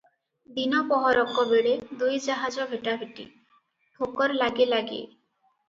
ଦିନ ପହରକବେଳେ ଦୁଇ ଜାହାଜ ଭେଟାଭେଟି, ଠୋକର ଲାଗେ ଲାଗେ ।"